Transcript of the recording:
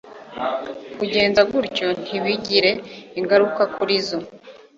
kugenza gutyo ntibigire ingaruka kuri zo